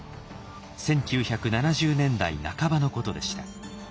１９７０年代半ばのことでした。